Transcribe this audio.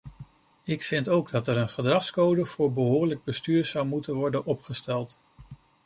Ik vind ook dat er een gedragscode voor behoorlijk bestuur zou moeten worden opgesteld.